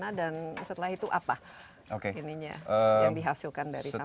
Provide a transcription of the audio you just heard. kemana dan setelah itu apa yang dihasilkan dari sampah